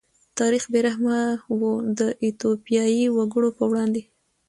تاریخ بې رحمه و د ایتوپیايي وګړو په وړاندې.